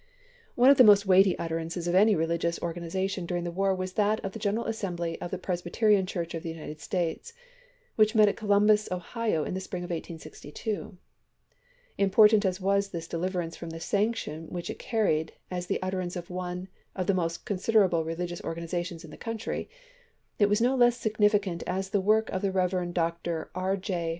One of the most weighty utterances of any re ligious organization during the war was that of the General Assembly of the Presbyterian Church of the United States, which met at Columbus, Ohio, in the spring of 1862. Important as was this de liverance from the sanction which it carried, as the utterance of one of the most considerable religious organizations in the country, it was no less signifi cant as the work of the Rev. Dr. E. J.